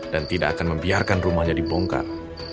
dan tidak akan membiarkan rumahnya dibongkar